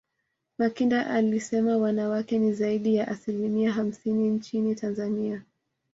makinda alisema wanawake ni zaidi ya asilimia hamsini nchini tanzania